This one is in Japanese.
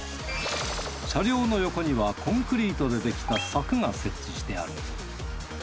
車両の横にはコンクリートでできた柵が設置してある。